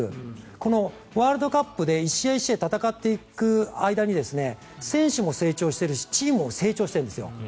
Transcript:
このワールドカップで１試合１試合戦っていく間に選手も成長しているしチームも成長しているんですよ。